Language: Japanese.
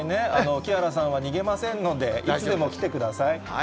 木原さんは逃げませんので、いつでも来てください。